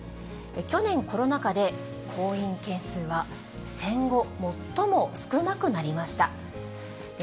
去年、コロナ禍で婚姻件数は戦後最も少なくなりました。